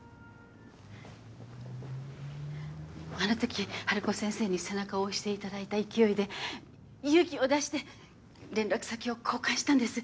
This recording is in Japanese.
あのときハルコ先生に背中を押していただいた勢いで勇気を出して連絡先を交換したんです。